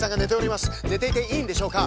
ねていていいんでしょうか！？